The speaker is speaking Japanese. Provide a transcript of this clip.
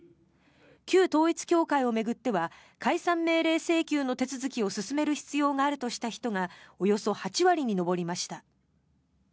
旧統一教会を巡っては解散命令請求の手続きを進める必要があるとした人がおよそ８割に上りました。